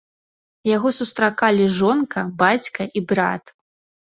Яго сустракалі жонка, бацька і брат.